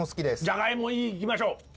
じゃがいもいいいきましょ。